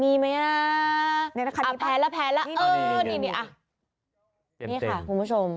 มีไหมนะแพ้แล้วอ๋อนี่นี่ค่ะคุณผู้ชม